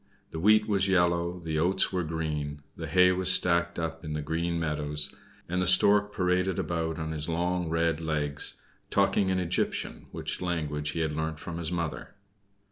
The wheat was yellow, the oats were green, the hay was stacked up in the green meadows, and the stork paraded about on his long red legs, talking in Egyptian, which language he had learnt from his mother.